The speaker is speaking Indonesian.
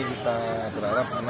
kita berharap anak anak